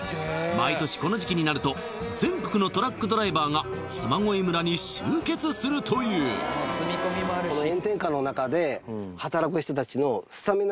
毎年この時期になると全国のトラックドライバーが嬬恋村に集結するというガツンときます